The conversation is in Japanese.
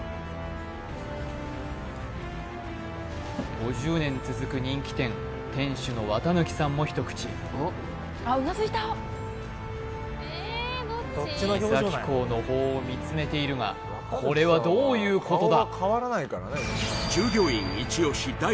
５０年続く人気店店主の綿貫さんも一口三崎港の方を見つめているがこれはどういうことだ？